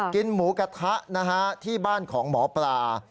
กินหมูกระทะที่บ้านของหมอปลา